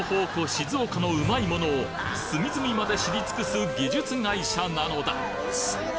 静岡のうまいものを隅々まで知り尽くす技術会社なのだ